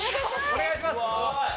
お願いします！